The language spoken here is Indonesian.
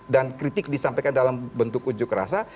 dan kritik disampaikan dalam bentuk ujuk rasa